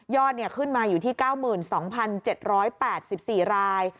ขึ้นมาอยู่ที่๙๒๗๘๔ราย